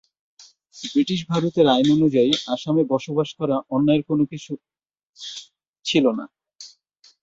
ব্রিটিশ-ভারতের আইন অনুযায়ী আসামে বসবাস করা অন্যায়ের কোন কিছু ছিলো না।